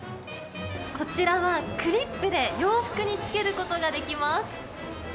こちらはクリップで洋服につけることができます。